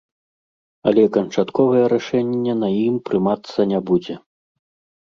Але канчатковае рашэнне на ім прымацца не будзе.